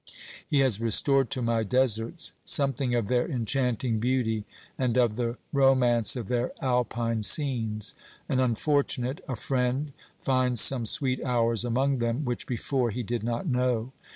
He has restored to my deserts something of their enchanting beauty and of the romance of their Alpine scenes ; an unfortunate, a friend, finds some sweet hours among them which before he did not know.